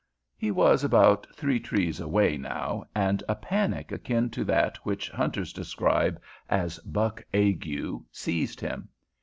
He was about three trees away, now, and a panic akin to that which hunters describe as "buck ague" seized him.